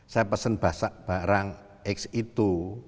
saya pesen barang x itu